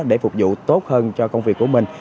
để phục vụ tốt hơn cho công việc của mình